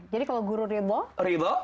jadi kalau guru riba